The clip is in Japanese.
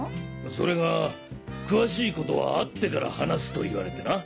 それが詳しい事は会ってから話すと言われてな。